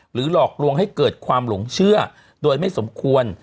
หลอกลวงให้เกิดความหลงเชื่อโดยไม่สมควร